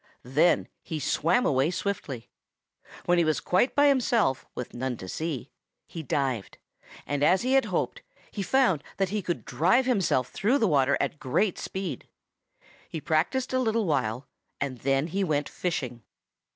Then he swam away swiftly. When he was quite by himself with none to see, he dived, and as he had hoped, he found that he could drive himself through the water at great speed. He practised a while and then he went fishing.